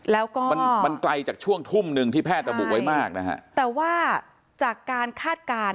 แล้วก็